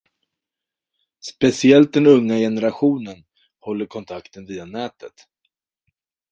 Speciellt den unga generationen håller kontakten via nätet.